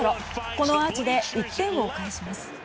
このアーチで１点を返します。